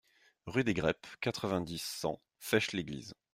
Rue des Greppes, quatre-vingt-dix, cent Fêche-l'Église